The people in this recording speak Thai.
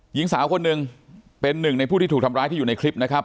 หญิงสาวคนหนึ่งเป็นหนึ่งในผู้ที่ถูกทำร้ายที่อยู่ในคลิปนะครับ